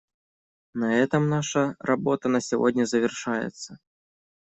На этом наша работа на сегодня завершается.